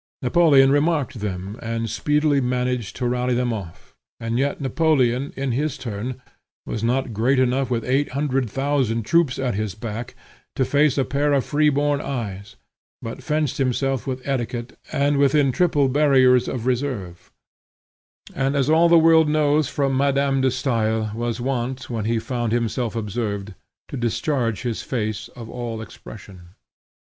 Napoleon remarked them, and speedily managed to rally them off: and yet Napoleon, in his turn, was not great enough with eight hundred thousand troops at his back, to face a pair of freeborn eyes, but fenced himself with etiquette and within triple barriers of reserve; and, as all the world knows from Madame de Stael, was wont, when he found himself observed, to discharge his face of all expression.